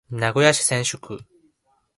名古屋市千種区